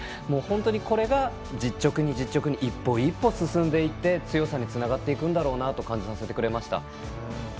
本当に、これが実直に実直に、一歩一歩進んでいって強さにつながっていくんだと感じさせてくれました。